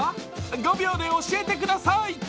５秒で教えてください。